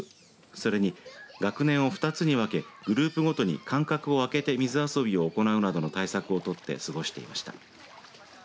それに、学年を２つに分けグループごとに間隔を空けて水遊びを行うなどの対策を取って過ごしていました。